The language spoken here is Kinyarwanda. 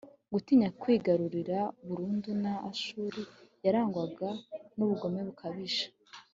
gutinya kwigarurirwa burundu na ashuri yarangwaga n'ubugome bukabije